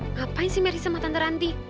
ngapain sih merry sama tante ranti